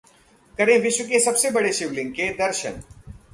करें विश्व के सबसे बड़े शिवलिंग के दर्शन